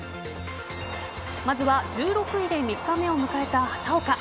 まずは１６位で３日目を迎えた畑岡。